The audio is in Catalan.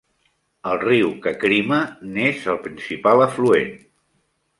El riu Kakrima n'és el principal afluent.